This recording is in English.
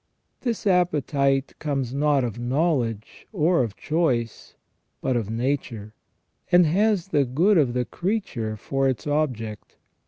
This appetite comes not of knowledge, or of choice, but of nature, and has the good of the creature for its object.